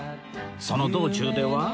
その道中では